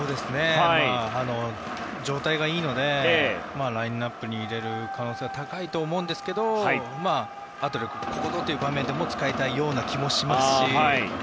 状態がいいのでラインアップに入れる可能性は高いと思いますがあとは、ここぞという場面でも使いたいような気もしますし。